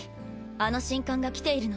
あの神官が来ているの。